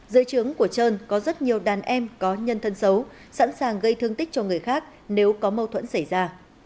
dưới trướng của trơn có rất nhiều đàn em có nhân thân xấu sẵn sàng gây thương tích cho người khác nếu có mâu thuẫn xảy ra